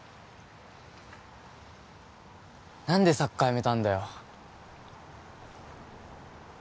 何でサッカーやめたんだよ